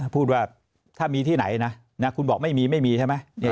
พูดว่าถ้ามีที่ไหนนะคุณบอกไม่มีไม่มีใช่ไหม